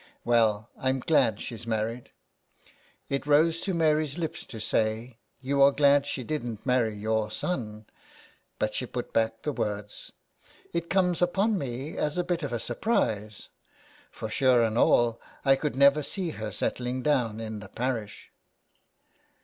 Well, Pm glad she's married." It rose to Mary's lips to say, " you are glad she didn't marry your son," but she put back the words. " It comes upon me as a bit of surprise, for sure and all I could never see her settling down in the parish."